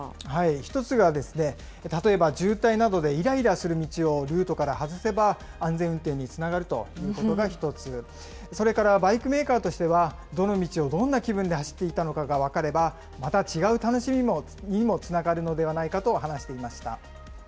１つが、例えば渋滞などでいらいらする道をルートから外せば、安全運転につながるということが１つ、それからバイクメーカーとしては、どの道をどんな気分で走っていたのかが分かれば、また違う楽しみにもつながるのではないかと話していました。